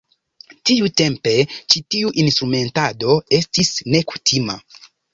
Tiutempe ĉi tiu instrumentado estis nekutima.